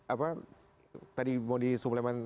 apa tadi mau disubleman